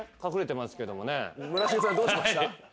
村重さんどうしました？